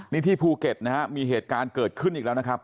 นี่ที่ภูเก็ตนะฮะมีเหตุการณ์เกิดขึ้นอีกแล้วนะครับ